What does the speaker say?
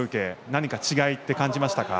何か違いって感じましたか？